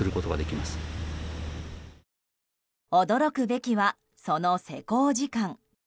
驚くべきはその施工時間。